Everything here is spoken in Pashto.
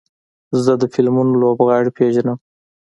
زه د فلمونو لوبغاړي پیژنم.